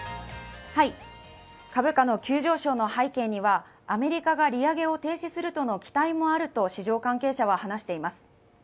株価の急上昇の背景にはアメリカが利上げを停止するとの期待もあると市場関係者は話しています。